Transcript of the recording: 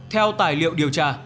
theo tài liệu điều tra